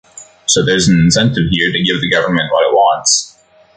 So there's an incentive here to give the government what it wants.